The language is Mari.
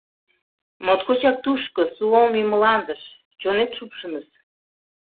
Моткочак тушко, Суоми мландыш, чонет шупшыныс!